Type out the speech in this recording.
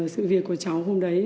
sự việc của cháu hôm đấy